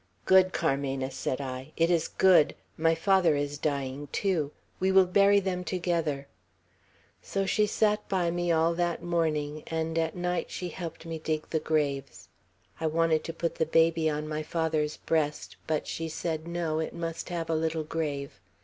'Good, Carmena!' said I. 'It is good! My father is dying too. We will bury them together.' So she sat by me all that morning, and at night she helped me dig the graves. I wanted to put the baby on my father's breast; but she said, no, it must have a little grave.